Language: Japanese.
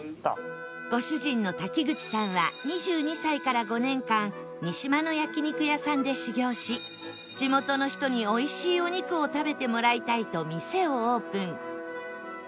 ご主人の滝口さんは２２歳から５年間三島の焼肉屋さんで修業し地元の人においしいお肉を食べてもらいたいと店をオープン